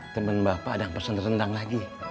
temen bapak ada yang pesen rendang lagi